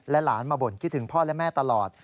หลานมาบ่นคิดถึงพ่อและแม่ตลอด